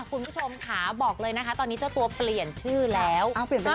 คุณผู้ชมค่ะบอกเลยนะคะตอนนี้เจ้าตัวเปลี่ยนชื่อแล้ว